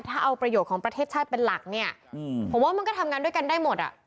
ถ้าเอาประโยชน์ของประเทศชาติเป็นหลักเนี่ยผมว่ามันก็ทำงานด้วยกันได้หมดอ่ะ